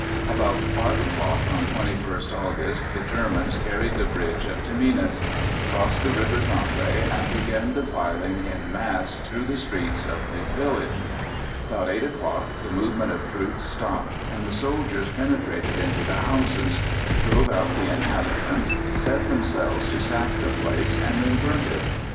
About 5 o'clock on 21st August, the Germans carried the bridge of Tamines, crossed the River Sambre, and began defiling in mass through the streets of the village. About 8 o'clock the movement of troops stopped, and the soldiers penetrated into the houses, drove out the inhabitants, set themselves to sack the place, and then burnt it.